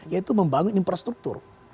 yaitu membangun infrastruktur